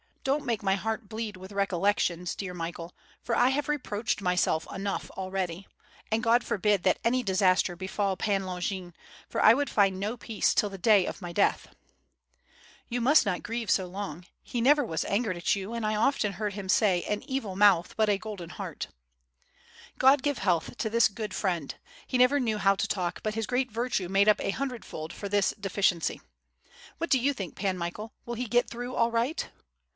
Don't make my heart bleed with recollections, dear Michael, for I have reproached myself enough already, and God forbid that any disaster befall Pan Longin, for I would find no peace till the day of my death." *Trou must not grieve so long. He never was angered at 767 768 ^^^^^^^^^^^ fifWOiJD. you and I often heard him say ^an evil mouth, but a golden heart.' " "God give health to this good friend! He never knew how to talk, but his great virtue made up a hundredfold for this deficiency. What do you think, Pan Michael, will he get through all right?''